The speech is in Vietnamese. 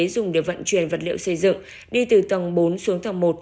dùng để vận chuyển vật liệu xây dựng đi từ tầng bốn xuống tầng một